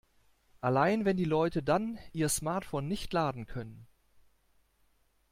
Allein, wenn die Leute dann ihr Smartphone nicht laden können.